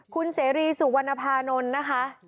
คุณเสรีสุวรรณภานนท์นะคะ